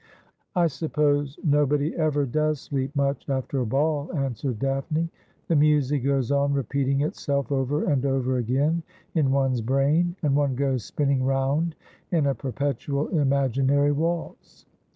' I suppose nobody ever does sleep much after a ball,' an swered Daphne. ' The music goes on repeating itself over and over again in one's brain, and one goes spinning round in a per petual imaginary waltz.